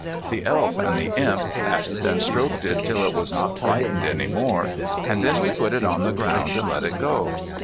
The Elf and the Imp patted and stroked it till it was not frightened any more, and then we put it on the ground and let it go.